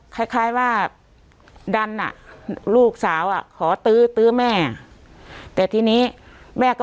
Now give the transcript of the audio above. คล้ายว่าดันลูกสาวขอตื้อตื้อแม่แต่ทีนี้แม่ก็